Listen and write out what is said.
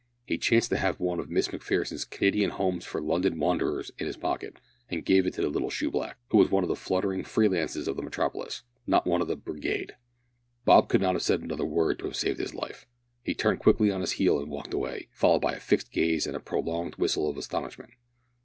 He chanced to have one of Miss Macpherson's Canadian Homes for London Wanderers in his pocket, and gave it to the little shoe black, who was one of the fluttering free lances of the metropolis, not one of the "Brigade." Bob could not have said another word to have saved his life. He turned quickly on his heel and walked away, followed by a fixed gaze and a prolonged whistle of astonishment.